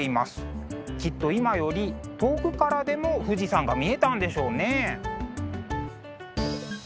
きっと今より遠くからでも富士山が見えたんでしょうね。